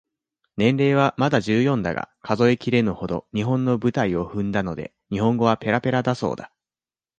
年齢はまだ十四だが、数えきれぬほど、日本の舞台を踏んだので、日本語はぺらぺらだそうだ。